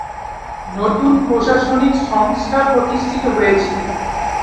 নতুন প্রশাসনিক সংস্থা প্রতিষ্ঠিত হয়েছিল।